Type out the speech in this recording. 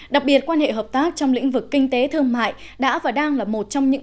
đặc biệt quan hệ hợp tác trong lĩnh vực kinh tế thương mại đã và đang là một trong những